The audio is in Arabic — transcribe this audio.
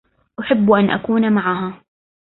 أحب أن أكون معها.